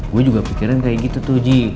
gua juga pikirin kayak gitu tuh ji